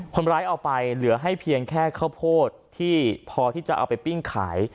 คนร้ายเอาไปเหลือให้เพียงแค่ข้าวโพดที่พอที่จะเอาไปปิ้งขาย